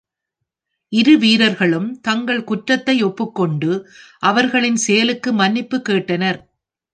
இரு வீரர்களும் தங்கள் குற்றத்தை ஒப்புக் கொண்டு, அவர்களின் செயலுக்கு மன்னிப்பு கேட்டனர்.